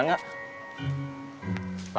semoga selamat sampai tujuan